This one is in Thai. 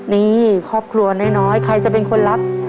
นี่ครอบครัวน้อยใครจะเป็นคนรับ